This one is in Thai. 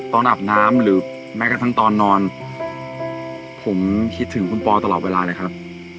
อาบน้ำหรือแม้กระทั่งตอนนอนผมคิดถึงคุณปอตลอดเวลาเลยครับ